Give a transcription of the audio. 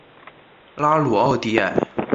拉鲁奥迪埃。